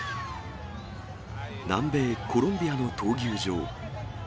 南米コロンビアの闘牛場。